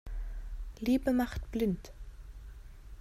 Liebe macht blind.